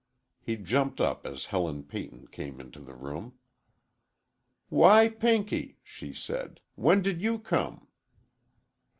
He jumped up as Helen Peyton came into the room. "Why, Pinky," she said, "when did you come?"